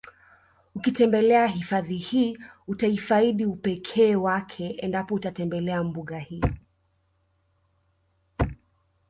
Ukitembelea hifadhi hii utaifadi upekee wake endapo utatembelea mbuga hii